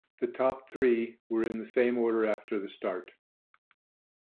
The top three were in the same order after the start.